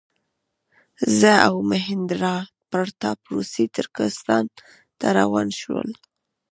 زه او مهیندراپراتاپ روسي ترکستان ته روان شولو.